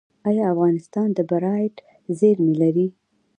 آیا افغانستان د بیرایت زیرمې لري؟